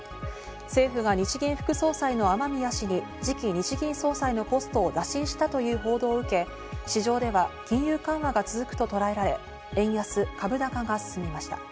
政府が日銀副総裁の雨宮氏に次期日銀総裁のポストを打診したという報道を受け、市場では金融緩和が続くととらえられ、円安、株高が進みました。